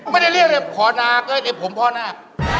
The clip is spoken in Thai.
ไม่ได้เรียกเรียกขอนาคเลยแต่ผมพ่อนาค